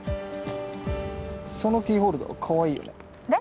そのキーホルダーかわいいよね。